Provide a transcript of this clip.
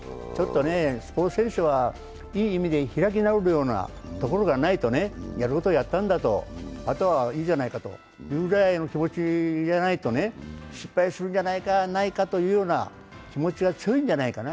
スポーツ選手はいい意味で開き直るようなところがないとね、やることはやったんだとあとはいいじゃないかというくらいの気持ちじゃないと失敗するじゃないか、ないかというような気持が強いんじゃないかな。